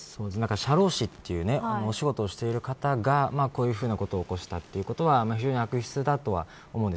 社労士という仕事をしてる方がこういったことを起こしたというのは悪質だと思います。